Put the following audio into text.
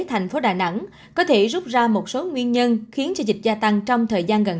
thành phố đà nẵng có thể rút ra một số nguyên nhân khiến cho dịch gia tăng trong thời gian gần